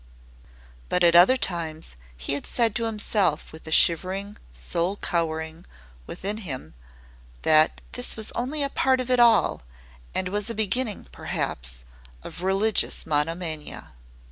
But at other times he had said to himself with a shivering soul cowering within him that this was only part of it all and was a beginning, perhaps, of religious monomania.